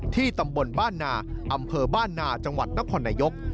ตำบลบ้านนาอำเภอบ้านนาจังหวัดนครนายก